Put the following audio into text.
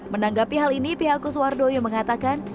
menanggapi hal ini pihak kosoardo yang mengatakan